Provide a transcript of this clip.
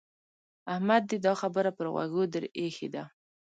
احمد دې دا خبره پر غوږو در اېښې ده.